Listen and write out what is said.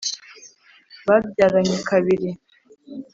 babyaranye kabili